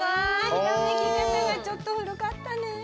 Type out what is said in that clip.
ひらめき方がちょっと古かったね。